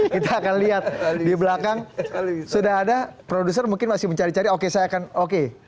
kita akan lihat di belakang sudah ada produser mungkin masih mencari cari oke saya akan oke